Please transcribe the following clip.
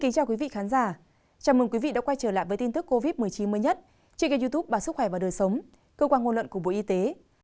chào mừng quý vị đã quay trở lại với tin tức covid một mươi chín mới nhất trên kênh youtube bà sức khỏe và đời sống cơ quan hôn luận của bộ y tế